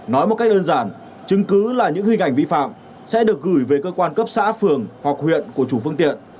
nói một cách đơn giản chứng cứ là những hình ảnh vi phạm sẽ được gửi về cơ quan cấp xã phường hoặc huyện của chủ phương tiện